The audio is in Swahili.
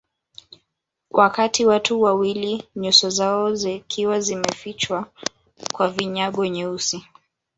Wakati watu wawili nyuso zao zikiwa zimefichwa kwa vinyago nyeusi